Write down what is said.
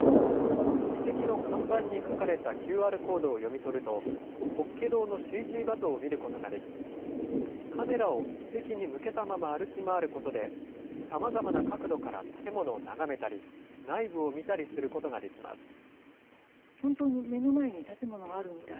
遺跡の看板に書かれたＱＲコードを読み取ると、法華堂のＣＧ画像を見ることができ、カメラを遺跡に向けたまま歩き回ることで、さまざまな角度から建物を眺めたり、内部を見たりすることができます。